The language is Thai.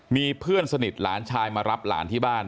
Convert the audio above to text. มีเพื่อนสนิทหลานชายมารับหลานที่บ้าน